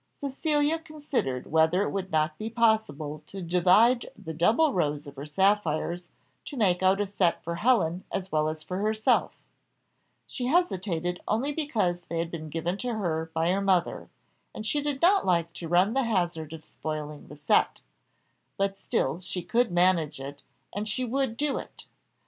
Cecilia considered whether it would not be possible to divide the double rows of her sapphires, to make out a set for Helen as well as for herself; she hesitated only because they had been given to her by her mother, and she did not like to run the hazard of spoiling the set; but still she could manage it, and she would do it.